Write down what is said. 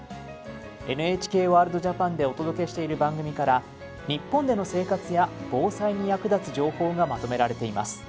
ＮＨＫワールドＪＡＰＡＮでお届けしている番組から日本での生活や防災に役立つ情報がまとめられています。